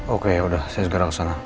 oke yaudah saya segera kesana